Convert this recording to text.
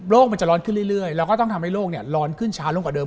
มันจะร้อนขึ้นเรื่อยเราก็ต้องทำให้โลกร้อนขึ้นช้าลงกว่าเดิ